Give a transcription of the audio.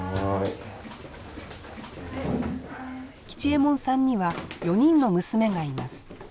吉右衛門さんには４人の娘がいます。